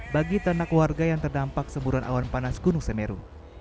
bagi ternak warga yang terdampak semburan awan panas gunung semeru